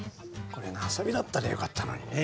これが遊びだったらよかったのにね